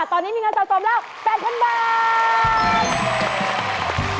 ตอนนี้มีเงินสะสมแล้ว๘๐๐๐บาท